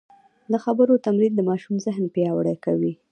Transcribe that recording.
د خبرو تمرین د ماشوم ذهن پیاوړی کوي.